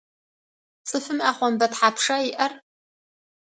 Цӏыфым ӏэхъомбэ тхьапша иӏэр?